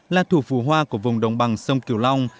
là thủ phủ hoa của vùng đồng bằng sông kiều long